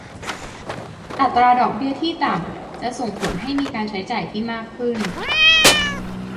อัตราดอกเบี้ยที่ต่ำจะส่งผลให้มีการใช้จ่ายที่มากขึ้น